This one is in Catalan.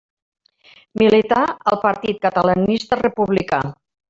Milità al Partit Catalanista Republicà.